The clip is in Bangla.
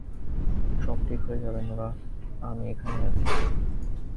সব ঠিক হয়ে যাবে - নোরাহ, আমি এখানেই আছি।